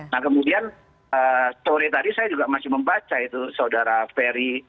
nah kemudian sore tadi saya juga masih membaca itu saudara ferry